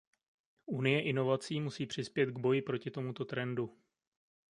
Unie inovací musí přispět k boji proti tomuto trendu.